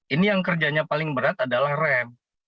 ini yang kerjanya paling berat adalah rem